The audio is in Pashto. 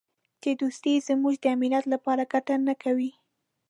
چې دوستي یې زموږ د امنیت لپاره ګټه نه کوي.